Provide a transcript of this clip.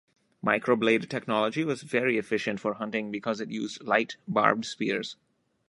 Microblade technology was very efficient for hunting because it used light, barbed spears.